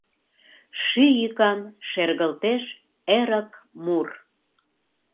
Ший йӱкан Шергылтеш эрык мур.